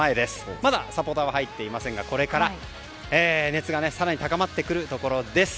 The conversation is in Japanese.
まだサポーターは入っていませんがこれから熱が更に高まってくるところです。